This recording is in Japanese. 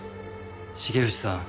重藤さん